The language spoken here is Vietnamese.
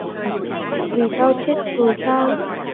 Vì tao chết rồi sao